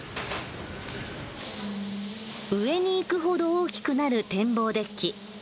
上に行くほど大きくなる天望デッキ。